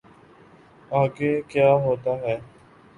آگے کیا ہوتا ہے۔